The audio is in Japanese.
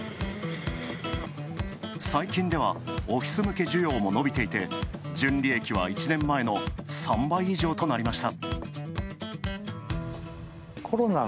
最近では、オフィス向け需要も伸びていて純利益は１年前の３倍以上となりました。